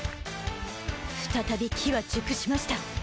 再び機は熟しました。